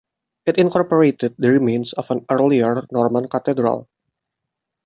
It incorporated the remains of an earlier Norman cathedral.